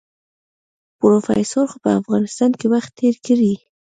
پروفيسر خو په افغانستان کې وخت تېر کړی.